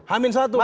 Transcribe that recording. hamin satu pak